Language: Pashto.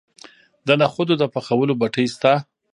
د نخودو د پخولو بټۍ شته.